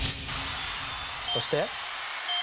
そして。